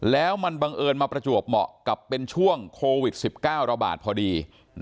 แล้วมันบังเอิญมาประจวบเหมาะกับเป็นช่วงโควิด๑๙ระบาดพอดี